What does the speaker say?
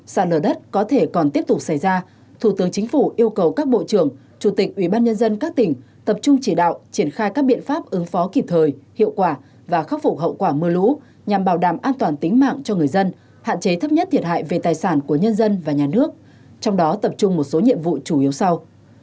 sạt lở đất có thể còn tiếp tục xảy ra thủ tướng chính phủ yêu cầu các bộ trưởng chủ tịch ubnd các tỉnh tập trung chỉ đạo triển khai các biện pháp ứng phó kịp thời hiệu quả và khắc phục hậu quả mưa lũ nhằm bảo đảm an toàn tính mạng cho người dân hạn chế thấp nhất thiệt hại về tài sản của nhân dân và nhà nước trong đó tập trung một số nhiệm vụ chủ yếu sau